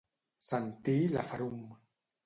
Sentir la ferum.